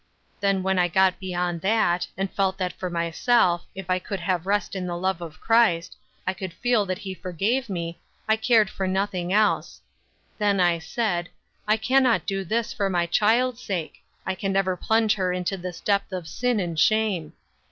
Then when I got beyond that, and felt that for myself, if I could have rest in the love of Christ, and could feel that he forgave me, I cared for nothing else. Then I said, 'I can not do this, for my child's sake; I can never plunge her into this depth of sin and shame.'